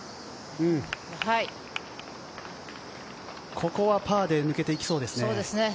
ここはパーで抜けていきそうですね。